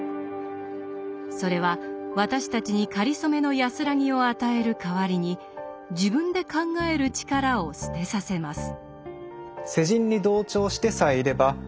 それは私たちにかりそめの安らぎを与える代わりに自分で考える力を捨てさせます。